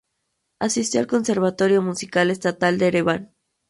Asistió al Conservatorio Musical Estatal de Ereván.